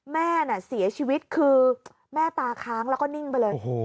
แม่น่ะเสียชีวิตคือแม่ตาค้างแล้วก็นิ่งไปเลย